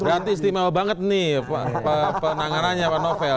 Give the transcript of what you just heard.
berarti istimewa banget nih penanganannya pak novel